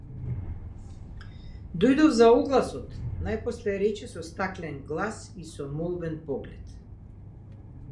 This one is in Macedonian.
Дојдов за огласот, најпосле рече со стаклен глас и со молбен поглед.